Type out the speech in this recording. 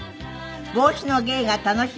帽子の芸が楽しい